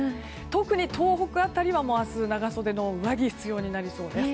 特に東北辺りは明日、長袖の上着が必要になりそうです。